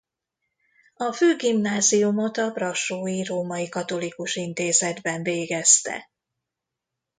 A főgimnáziumot a brassói római katolikus intézetben végezte.